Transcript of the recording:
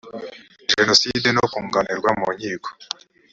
jenoside no kunganirwa mu nkiko